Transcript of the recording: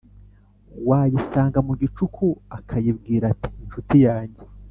Wayisanga mu gicuku akayibwira ati ncuti yanjye